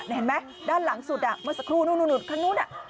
เห็นไหมด้านหลังสุดเมื่อสักครู่นู่นข้างนู้น